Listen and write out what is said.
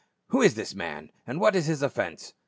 "Who is this man, and what is his offence